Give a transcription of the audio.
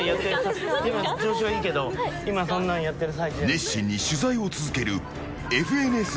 熱心に取材を続けるＦＮＳ